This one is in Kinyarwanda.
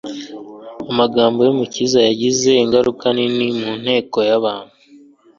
Amagambo y'Umukiza yagize ingaruka nini mu nteko y'abantu